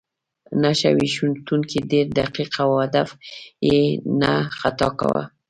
نښه ویشتونکی ډېر دقیق و او هدف یې نه خطا کاوه